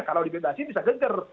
kalau dibebasi bisa geger